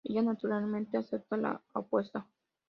Ella, naturalmente, acepta la apuesta.